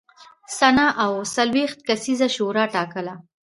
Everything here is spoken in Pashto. سنا او څلوېښت کسیزه شورا ټاکله.